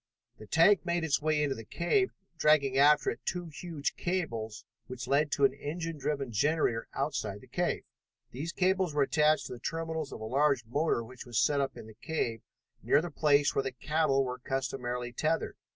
The tank made its way into the cave, dragging after it two huge cables which led to an engine driven generator outside the cave. These cables were attached to the terminals of a large motor which was set up in the cave near the place where the cattle were customarily tethered.